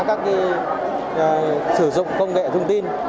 các sử dụng công nghệ thông tin